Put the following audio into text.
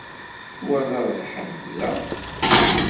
Twalaḍ ḥedd da?